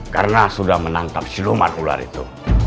karena sudah menangkap siluman ular itu